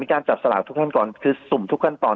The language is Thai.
การจับสลากทุกขั้นตอนคือสุ่มทุกขั้นตอน